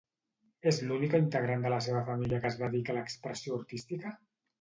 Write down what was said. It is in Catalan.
És l'única integrant de la seva família que es dedica a l'expressió artística?